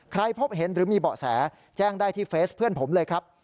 พบเห็นหรือมีเบาะแสแจ้งได้ที่เฟสเพื่อนผมเลยครับ